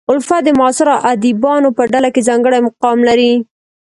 الفت د معاصرو ادیبانو په ډله کې ځانګړی مقام لري.